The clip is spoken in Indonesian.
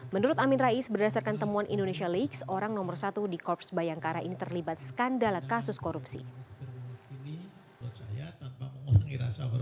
menurut amin rais berdasarkan temuan indonesia league orang nomor satu di korps bayangkara ini terlibat skandal kasus korupsi